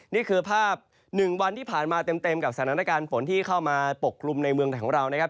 นี่คือภาพ๑วันที่ผ่านมาเต็มกับสถานการณ์ฝนที่เข้ามาปกกลุ่มในเมืองไทยของเรานะครับ